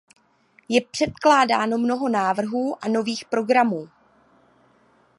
Je předkládáno mnoho návrhů a nových programů.